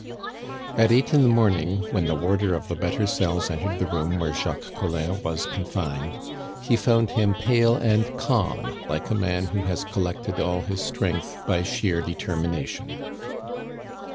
At eight in the morning, when the warder of the better cells entered the room where Jacques Collin was confined, he found him pale and calm, like a man who has collected all his strength by sheer determination.